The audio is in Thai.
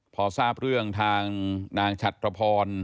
พอทราบเรื่องทางนางชัตรพร